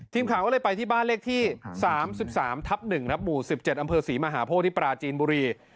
ทีมข่าวก็เลยไปที่บ้านเลขที่๓๓ทับ๑ครับหมู่๑๗อำเภอศรีมหาโพธิปราจีนบุรี